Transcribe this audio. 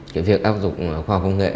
cái việc áp dụng khoa công nghệ